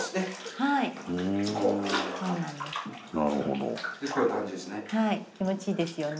はい気持ちいいですよね。